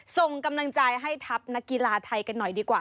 ส่งกำลังใจให้ทัพนักกีฬาไทยกันหน่อยดีกว่า